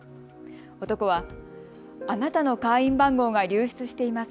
男は、あなたの会員番号が流出しています。